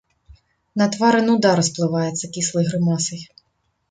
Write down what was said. На твары нуда расплываецца кіслай грымасай.